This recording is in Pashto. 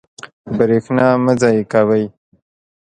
برېښنا مه ضایع کوئ.